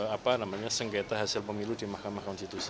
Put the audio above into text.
apa namanya sengketa hasil pemilu di mahkamah konstitusi